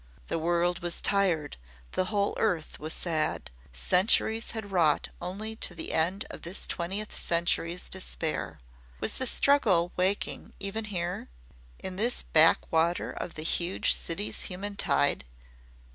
The world was tired the whole earth was sad centuries had wrought only to the end of this twentieth century's despair. Was the struggle waking even here in this back water of the huge city's human tide?